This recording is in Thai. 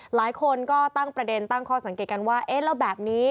หลายคนก็ตั้งประเด็นตั้งข้อสังเกตกันว่าเอ๊ะแล้วแบบนี้